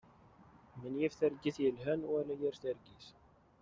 Menyif targit yelhan wala yir targit.